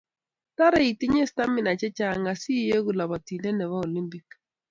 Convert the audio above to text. tara itinye stamina chechang asi ileku labatinde nebo olimpik